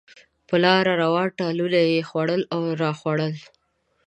په لاره روان، ټالونه یې خوړل راخوړل.